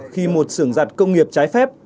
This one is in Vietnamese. khi một sưởng giặt công nghiệp trái phép